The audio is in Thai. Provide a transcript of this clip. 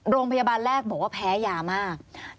โรงพยาบาลแรกบอกว่าแพ้ยามาก